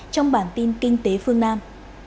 trong bản tin kinh tế phương nam